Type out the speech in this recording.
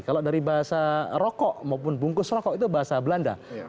kalau dari bahasa rokok maupun bungkus rokok itu bahasa belanda